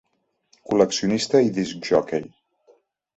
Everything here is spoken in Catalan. Col·leccionista i discjòquei.